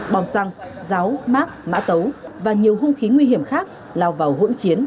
bom xăng ráo mát mã tấu và nhiều hung khí nguy hiểm khác lao vào hỗn chiến